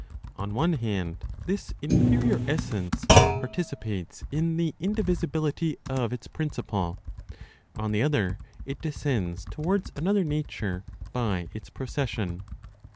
On one hand, this inferior (essence) participates in the indivisibility of its principle; on the other, it descends towards another nature by its procession.